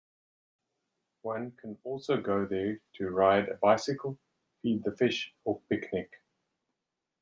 One can also go there to ride a bicycle, feed the fish or picnic.